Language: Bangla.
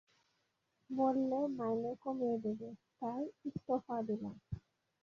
বললে মাইনে কমিয়ে দেবে, তাই ইস্তফা দিলাম।